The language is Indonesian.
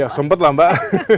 ya sempet lah mbak